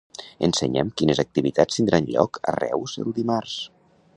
Ensenya'm quines activitats tindran lloc a Reus el dimarts.